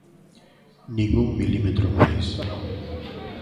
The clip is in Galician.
Nin un milímetro máis.